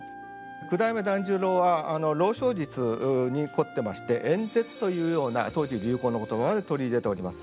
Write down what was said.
九代目團十郎は朗誦術に凝ってまして「演説」というような当時流行の言葉で取り入れております。